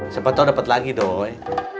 siapa tau dapat lagi doi